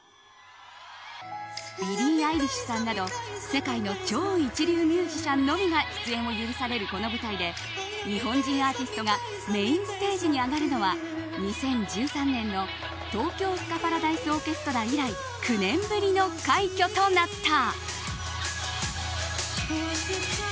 ビリー・アイリッシュさんなど世界の超一流ミュージシャンのみが出演を許されるこの舞台で日本人アーティストがメインステージに上がるのは２０１３年の東京スカパラダイスオーケストラ以来９年ぶりの快挙となった。